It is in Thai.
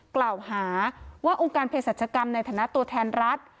กล่าวหาว่าองค์การเพศรัชกรรมในฐานะตัวแทนรัฐ